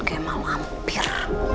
oke mau hampir